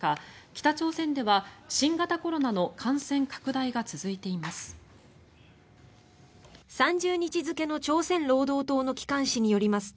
北朝鮮では新型コロナの感染拡大が続いています。